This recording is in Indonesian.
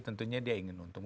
tentunya dia ingin untung